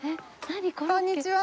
あらこんにちは！